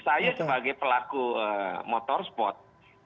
saya sebagai pelaku motorsport